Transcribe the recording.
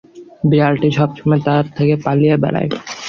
বিড়ালটি সবসময় তার থেকে পালিয়ে বেড়ায়।